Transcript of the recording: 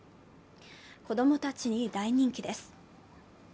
子供たちに大人気です。